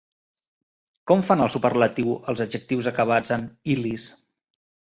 Com fan el superlatiu els adjectius acabats en -ilis?